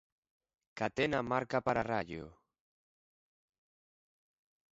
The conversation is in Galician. Catena marca para Raio.